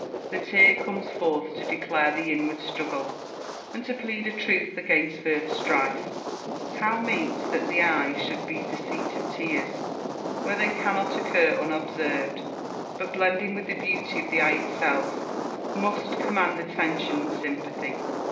The tear comes forth to declare the inward struggle, and to plead a truce against further strife. How meet that the eye should be the seat of tears where they cannot occur unobserved, but, blending with the beauty of the eye itself, must command attention and sympathy!